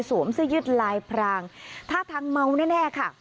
สวมซื้อยึดลายพรางท่าทางเมาแน่แน่ค่ะ